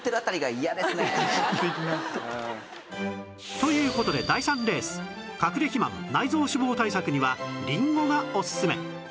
という事で第３レースかくれ肥満・内臓脂肪対策にはりんごがオススメ